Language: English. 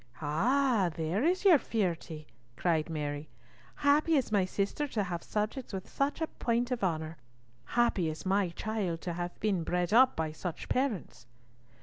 "Ah! there is your fierete," cried Mary. "Happy is my sister to have subjects with such a point of honour. Happy is my child to have been bred up by such parents!"